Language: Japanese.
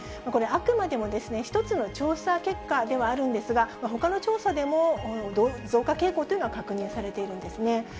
これ、あくまでも一つの調査結果ではあるんですが、ほかの調査でも、増加傾向というのは確認されているんですね。